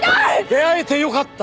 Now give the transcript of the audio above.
出会えてよかった。